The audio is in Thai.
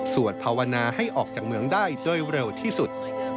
ภาวนาให้ออกจากเมืองได้โดยเร็วที่สุด